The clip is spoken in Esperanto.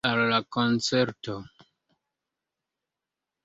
Iri al la koncerto.